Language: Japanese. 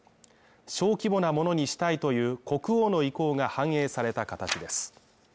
小規模なものにしたいという国王の意向が反映された形です。